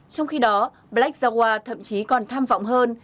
trong khi đó black jaguar thậm chí còn tham vọng hơn